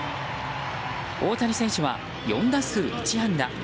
大谷選手は４打数１安打。